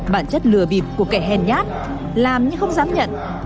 bản chất lừa bịp của kẻ hèn nhát làm nhưng không dám nhận